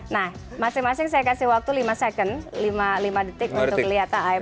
nah masing masing saya kasih waktu lima second lima detik untuk kelihatan